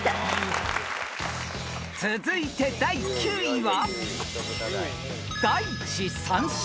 ［続いて第９位は］